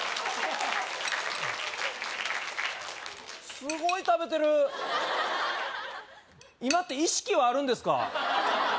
すごい食べてる今って意識はあるんですか？